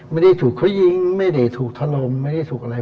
ไม่ได้ถูกเขายิงไม่ได้ถูกถล่มไม่ได้ถูกอะไร